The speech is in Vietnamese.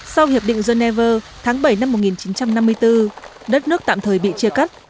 sau hiệp định geneva tháng bảy năm một nghìn chín trăm năm mươi bốn đất nước tạm thời bị chia cắt